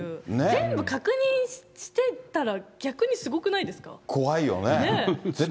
全部確認してたら逆にすごくないですか怖いよね。